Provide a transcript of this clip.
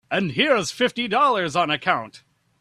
And here's fifty dollars on account.